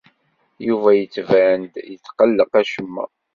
Yuba yettban-d yettqelleq acemma.